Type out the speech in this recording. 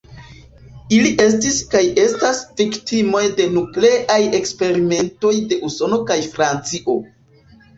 Ili estis kaj estas viktimoj de nukleaj eksperimentoj de Usono kaj Francio.